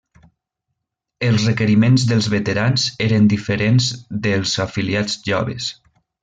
Els requeriments dels veterans eren diferents dels afiliats joves.